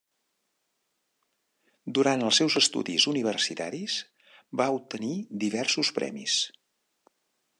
Durant els seus estudis universitaris va obtenir diversos premis.